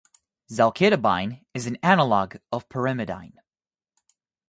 Zalcitabine is an analog of pyrimidine.